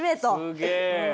すげえ。